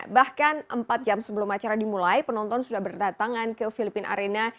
bahkan empat jam sebelum acara dimulai penonton sudah berdatangan ke filipina arena